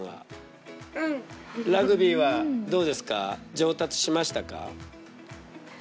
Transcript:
上達しましたか？